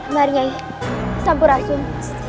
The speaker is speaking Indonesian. mari nyai sampurasun